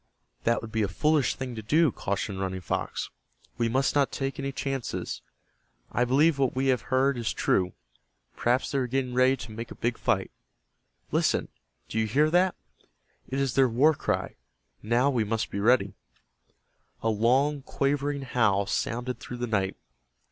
"That would be a foolish thing to do," cautioned Running Fox. "We must not take any chances. I believe what we have heard is true. Perhaps they are getting ready to make a big fight. Listen. Do you hear that? It is their war cry. Now we must be ready." A long, quavering howl sounded through the night.